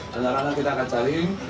kendaraan yang kita akan cari